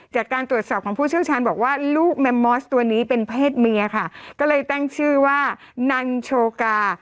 จากการตรวจสอบของผู้เชี่ยวชาญบอกว่าลูกแมมมอสตัวนี้เป็นเพศเมียค่ะก็เลยตั้งชื่อว่านันโชกา